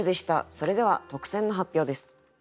それでは特選の発表です。